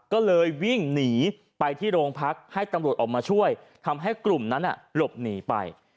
ก็เลยวิ่งหนีไปที่โรงพักให้ตำรวจออกมาช่วยทำให้กลุ่มนั้นหลบหนีไป